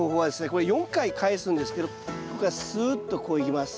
これ４回返すんですけどここからすっとこういきます。